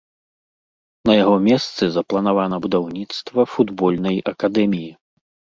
На яго месцы запланавана будаўніцтва футбольнай акадэміі.